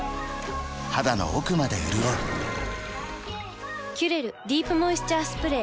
肌の奥まで潤う「キュレルディープモイスチャースプレー」